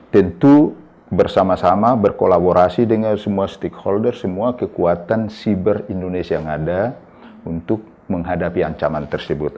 tentu bersama sama berkolaborasi dengan semua stakeholder semua kekuatan siber indonesia yang ada untuk menghadapi ancaman tersebut